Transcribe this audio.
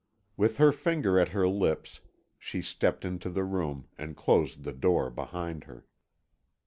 With her finger at her lips she stepped into the room, and closed the door behind her.